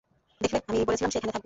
দেখলে, আমি বলেছিলাম সে এখানে থাকবে।